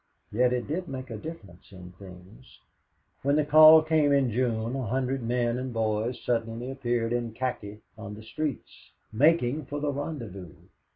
Yet it did make a difference in things. When the call came in June a hundred men and boys suddenly appeared in khaki on the streets, making for the rendezvous.